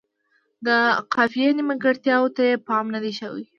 د قافیې نیمګړتیاوو ته یې پام نه دی شوی.